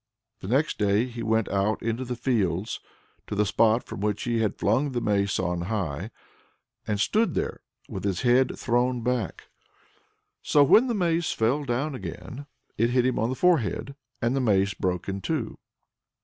The next day he went out into the fields to the spot from which he had flung the mace on high, and stood there with his head thrown back. So when the mace fell down again it hit him on the forehead. And the mace broke in two.